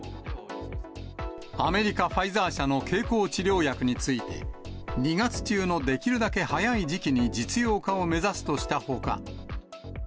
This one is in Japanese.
アメリカ、ファイザー社の経口治療薬について、２月中のできるだけ早い時期に実用化を目指すとしたほか。